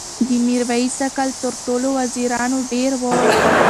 د میرویس عقل تر ټولو وزیرانو ډېر و.